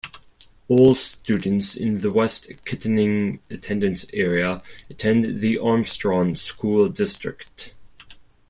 All students in the West Kittanning attendance area attend the Armstrong School District.